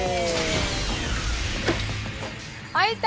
開いた！